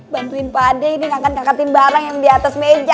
bantuin pak ade ini gak akan kakakin barang yang di atas meja